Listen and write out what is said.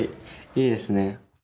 いいですね。